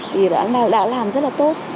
thì đã làm rất là tốt